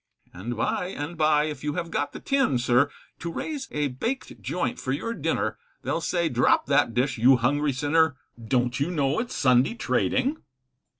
And by and bye, if you have got the tin, sir, To raise a baked joint for your dinner, They'll say, drop that dish, you hungry sinner, Don't you know it's Sunday trading?